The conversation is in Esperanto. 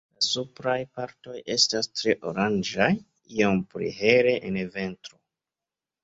La supraj partoj estas tre oranĝaj, iom pli hele en ventro.